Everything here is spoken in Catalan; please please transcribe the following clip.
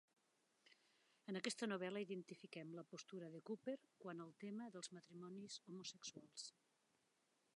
En aquesta novel·la identifiquem la postura de Cooper quant al tema dels matrimonis homosexuals.